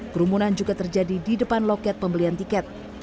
kerumunan juga terjadi di depan loket pembelian tiket